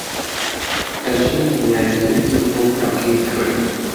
ئەژین دیارییەکی بۆ کوڕەکەی کڕی.